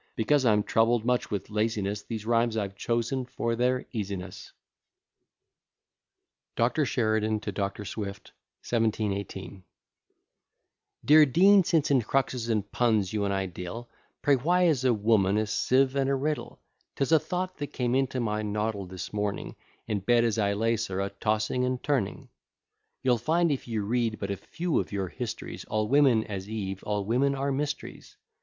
Because I'm troubled much with laziness, These rhymes I've chosen for their easiness. [Footnote 1: N.B. You told me you forgot your Greek.] DR. SHERIDAN TO DR. SWIFT 1718 Dear Dean, since in cruxes and puns you and I deal, Pray why is a woman a sieve and a riddle? 'Tis a thought that came into my noddle this morning, In bed as I lay, sir, a tossing and turning. You'll find if you read but a few of your histories, All women, as Eve, all women are mysteries.